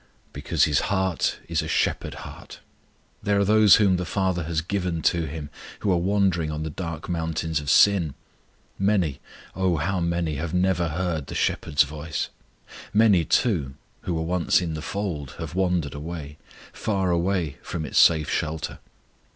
Because His heart is a shepherd heart. There are those whom the FATHER has given to Him who are wandering on the dark mountains of sin: many, oh, how many, have never heard the SHEPHERD'S voice; many, too, who were once in the fold have wandered away far away from its safe shelter.